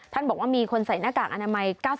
บอกว่ามีคนใส่หน้ากากอนามัย๙๐